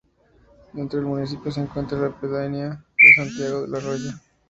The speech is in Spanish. Dentro del municipio se encuentra la pedanía de Santiago del Arroyo.